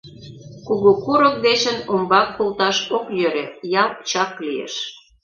Кугу Курык дечын умбак колташ ок йӧрӧ, ял чак лиеш.